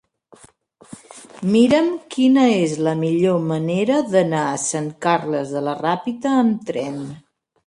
Mira'm quina és la millor manera d'anar a Sant Carles de la Ràpita amb tren.